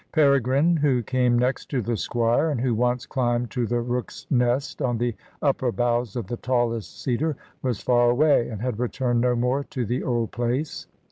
Peregrine, who came next to the squire, and who once climbed to the rook's nest on the upper boughs of the tallest cedar, was far away, and had returned no more to the old place.